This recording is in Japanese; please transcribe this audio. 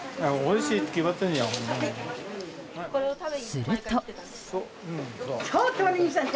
すると。